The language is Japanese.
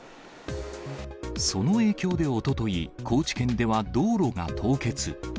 その影響でおととい、高知県では道路が凍結。